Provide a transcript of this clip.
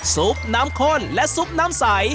ซุปน้ำข้นและซุปน้ำใส